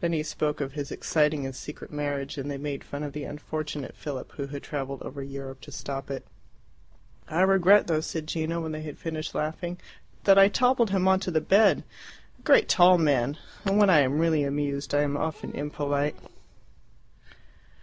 Then he spoke of his exciting and secret marriage, and they made fun of the unfortunate Philip, who had travelled over Europe to stop it. "I regret though," said Gino, when they had finished laughing, "that I toppled him on to the bed. A great tall man! And when I am really amused I am often impolite."